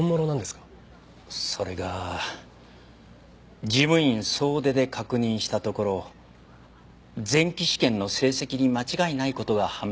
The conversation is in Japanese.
それが事務員総出で確認したところ前期試験の成績に間違いない事が判明致しました。